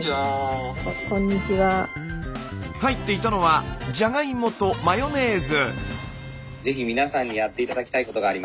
入っていたのはじゃがいもとマヨネーズ。